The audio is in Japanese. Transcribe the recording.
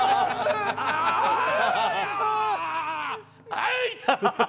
はい！